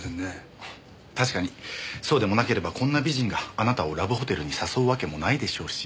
確かにそうでもなければこんな美人があなたをラブホテルに誘うわけもないでしょうし。